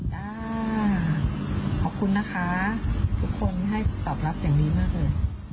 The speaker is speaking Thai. ขอบคุณนะคะทุกคนที่ให้ตอบรับอย่างดีมากเลย